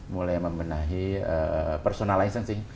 mulai membenahi personal licensing